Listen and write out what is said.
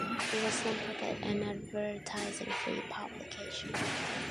It was a non-profit and advertising-free publication.